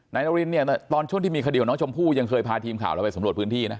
นารินเนี่ยตอนช่วงที่มีคดีของน้องชมพู่ยังเคยพาทีมข่าวเราไปสำรวจพื้นที่นะ